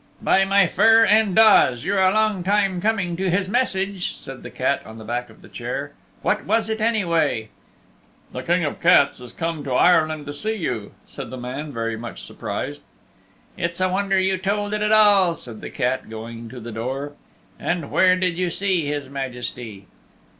"By my fur and daws, you're a long time coming to his message," said the cat on the back of the chair; "what was it, anyway?" "The King of the Cats has come to Ireland to see you," said the man, very much surprised. "It's a wonder you told it at all," said the cat, going to the door. "And where did you see His Majesty?"